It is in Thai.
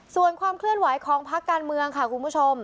ส่วนความเคลื่อนไหวของพักการเมืองค่ะคุณผู้ชม